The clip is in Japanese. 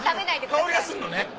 香りがするのね。